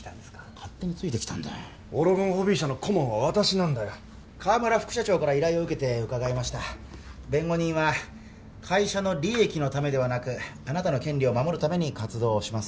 勝手についてきたんだオロゴンホビー社の顧問は私なんだよ河村副社長から依頼を受けてうかがいました弁護人は会社の利益のためではなくあなたの権利を守るために活動します